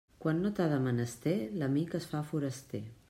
Quan no t'ha de menester, l'amic es fa foraster.